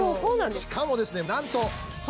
しかもですねなんと。